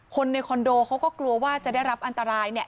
คนในคอนโดเขาก็กลัวว่าจะได้รับอันตรายเนี่ย